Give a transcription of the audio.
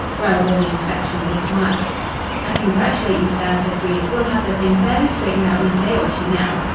Grell bore the inspection with a smile. "I congratulate you, sir," said Green. "We'll have the thing fairly straightened out in a day or two now."